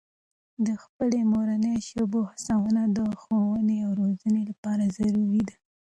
د خپلو مورنۍ ژبو هڅونه د ښوونې او روزنې لپاره ضروري ده.